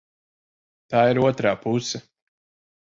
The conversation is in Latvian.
Tā ir otrā puse.